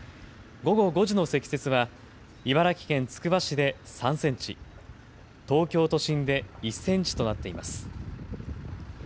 午後５時の積雪は茨城県つくば市で３センチ、東京都心で１センチとなっています。